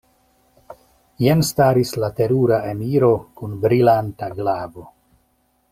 Jen staris la terura emiro kun brilanta glavo.